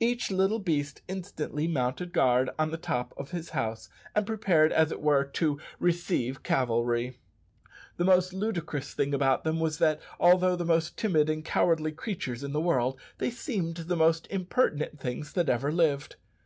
Each little beast instantly mounted guard on the top of his house, and prepared, as it were, "to receive cavalry." The most ludicrous thing about them was that, although the most timid and cowardly creatures in the world, they seemed the most impertinent things that ever lived!